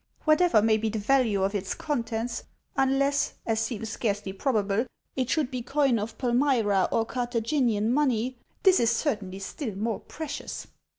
Whatever may be the value of its contents, unless, as seems scarcely probable, it should be coin of Palmyra or Carthaginian money, this is certainly still more precious.